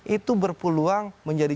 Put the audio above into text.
itu berpeluang menjadi